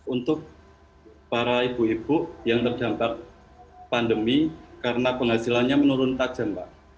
untuk para ibu ibu yang terdampak pandemi karena penghasilannya menurun tajam